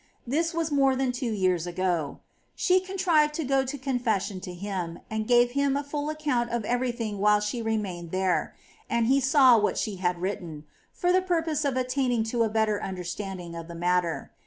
This was more than two years ago. She contrived to go to con fession to him, and gave him a full account of every thing while she remained there ; and he saw what she had written,' ^ for the purpose of attaining to a better understanding of the matter.